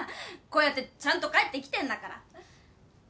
こうやってちゃんと帰ってきてんだから。